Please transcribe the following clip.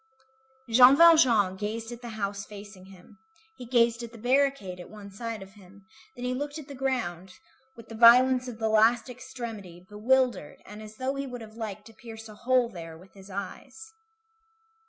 Jean Valjean gazed at the house facing him, he gazed at the barricade at one side of him, then he looked at the ground, with the violence of the last extremity, bewildered, and as though he would have liked to pierce a hole there with his eyes.